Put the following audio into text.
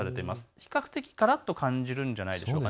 比較的、からっと感じるんじゃないでしょうか。